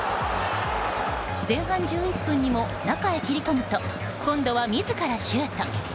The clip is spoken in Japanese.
前半１１分にも、中へ切り込むと今度は自らシュート。